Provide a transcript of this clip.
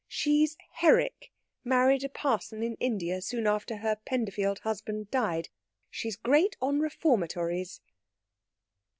She's Herrick married a parson in India soon after her Penderfield husband died. She's great on reformatories."